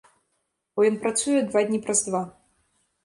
Бо ён працуе два дні праз два.